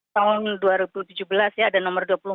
tahun dua ribu tujuh belas ya ada nomor dua puluh empat